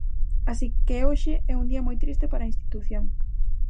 Así que hoxe é un día moi triste para a institución.